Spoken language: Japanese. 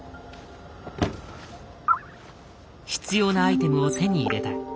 必要なアイテムを手に入れた。